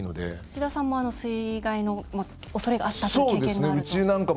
土田さんも水害のおそれがあったご経験があると。